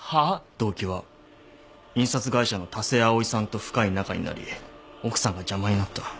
動機は印刷会社の田瀬葵さんと深い仲になり奥さんが邪魔になった。